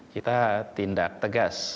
kita tindak tegas